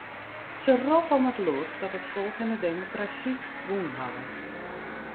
Se roppe om it lûdst dat it folk en de demokrasy wûn hawwe.